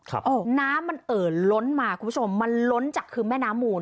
เออน้ำมันเอ่อล้นมาคุณผู้ชมมันล้นจากคือแม่น้ำมูล